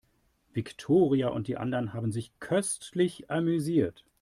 Viktoria und die anderen haben sich köstlich amüsiert.